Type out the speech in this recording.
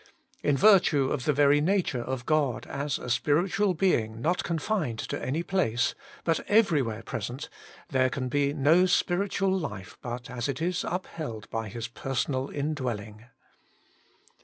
In virtue of the very nature of God, as a Spiritual Being not confined to any place, but everywhere present, there can be no spiritual life but as it is upheld by His personal indwelling.